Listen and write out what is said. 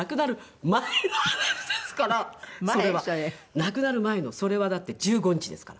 亡くなる前のそれはだって１５日ですから。